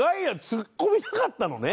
ツッコみたかったのね。